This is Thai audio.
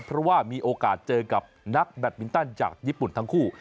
เพราะว่ามีโอกาสเจอกับนักแบตมินตันจากญี่ปุ่นทั้งคู่